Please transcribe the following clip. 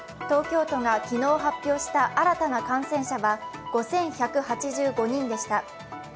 東京都が昨日発表した新たな感染者は５１８５人でした。